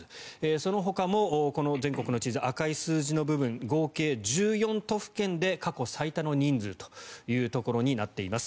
そのほかもこの全国の地図赤い数字の部分合計１４都府県で過去最多の人数ということになっています。